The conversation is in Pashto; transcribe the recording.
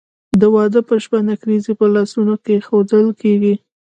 د واده په شپه نکریزې په لاسونو کیښودل کیږي.